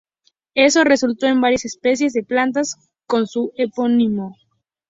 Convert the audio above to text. Eso resultó en varias especies de plantas con su epónimo.